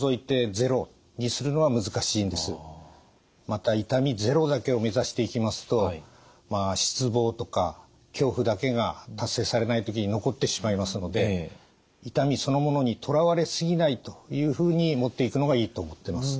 また痛みゼロだけをめざしていきますと失望とか恐怖だけが達成されない時に残ってしまいますので痛みそのものにとらわれ過ぎないというふうにもっていくのがいいと思ってます。